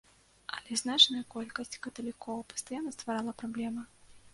Але значная колькасць каталікоў пастаянна стварала праблемы.